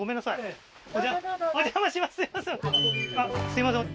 すいません